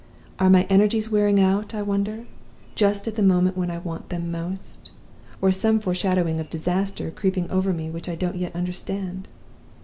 Are my energies wearing out, I wonder, just at the time when I most want them? Or is some foreshadowing of disaster creeping over me which I don't yet understand?